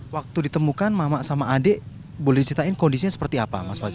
waktu ditemukan mama sama adik boleh diceritain kondisinya seperti apa mas fazi